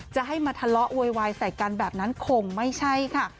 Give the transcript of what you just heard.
จะให้มาทะเลาะโวยวายใส่กันแบบนั้นคงไม่ใช่ค่ะ